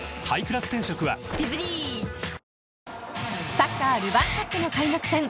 サッカールヴァンカップの開幕戦。